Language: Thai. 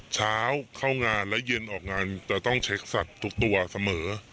เช้าเข้างานและเย็นออกงานจะต้องเช็คสัตว์ทุกตัวเสมอ